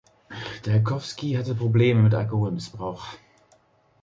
Dalkowski hatte Probleme mit Alkoholmissbrauch.